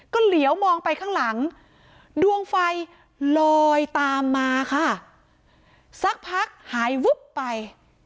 เหลียวมองไปข้างหลังดวงไฟลอยตามมาค่ะสักพักหายวุบไป